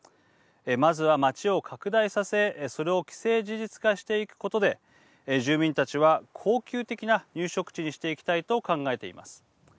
まずは町を拡大させそれを既成事実化していくことで住民たちは恒久的な入植地にしていきたいと考えています。